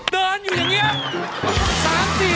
เดินอยู่ยังนี้